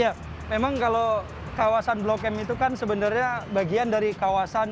ya memang kalau kawasan blok m itu kan sebenarnya bagian dari kawasan